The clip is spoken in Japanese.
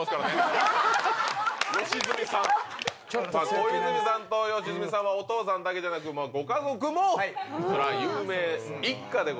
小泉さんと良純さんはお父さんだけじゃなくご家族も有名一家でございます。